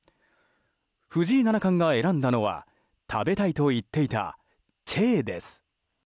藤井七冠が選んだのは食べたいと言っていたチェーです。